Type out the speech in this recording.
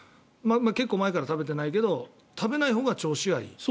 結構前から食べてないけど食べないほうが調子はいい。